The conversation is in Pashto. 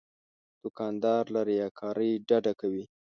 دوکاندار له ریاکارۍ ډډه کوي.